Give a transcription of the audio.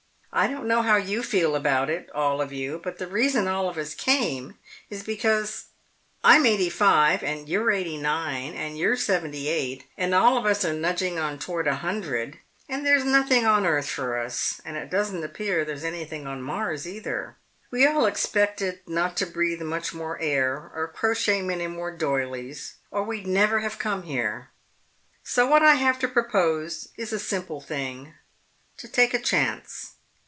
I don't know how you feel about it, all of you, but the reason all of us came is because I'm eighty five, and you're eighty nine, and you're seventy eight, and all of us are nudging on toward a hundred, and there's nothing on Earth for us, and it doesn't appear there's anything on Mars either. We all expected not to breathe much more air or crochet many more doilies or we'd never have come here. So what I have to propose is a simple thing to take a chance."